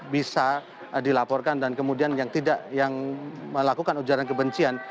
bisa dilaporkan dan kemudian yang tidak yang melakukan ujaran kebencian